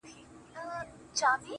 ه تا خو تل تر تله په خپگان کي غواړم,